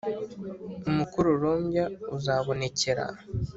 Umukororombya uzabonekera